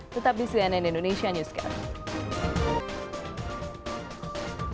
tetap di cnn indonesia newscast